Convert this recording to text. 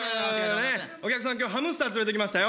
お客さん、きょう、ハムスター連れてきましたよ。